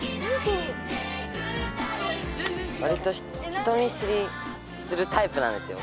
わりと人見知りするタイプなんですよ。